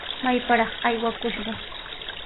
¡Mayparaq aywakushqa!